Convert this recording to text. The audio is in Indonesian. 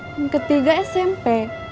yang ketiga smp